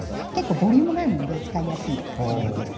ボリュームがあるので使いやすい素材です。